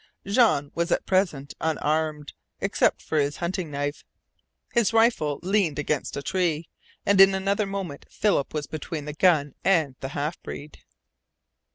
Jean was at present unarmed, except for his hunting knife. His rifle leaned against a tree, and in another moment Philip was between the gun and the half breed.